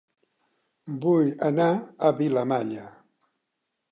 Vull anar a Vilamalla